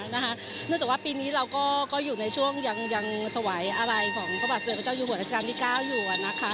เนื่องจากว่าปีนี้เราก็อยู่ในช่วงยังถวายอะไรของพระบาทสมเด็จพระเจ้าอยู่หัวราชการที่๙อยู่